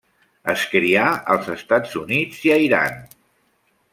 Es crià als Estats Units i a Iran.